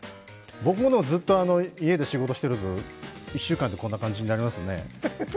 僕もずっと家で１週間仕事してますとこんな感じになりますね。